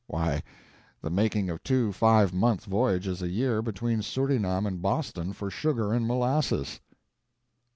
Why, the making of two five month voyages a year between Surinam and Boston for sugar and molasses!